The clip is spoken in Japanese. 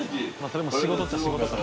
それも仕事っちゃ仕事か。